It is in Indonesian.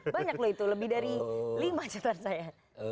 banyak loh itu lebih dari lima catatan saya